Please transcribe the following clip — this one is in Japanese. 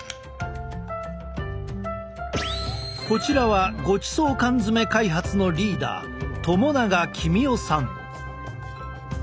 こちらはごちそう缶詰開発のリーダー友永公生さん。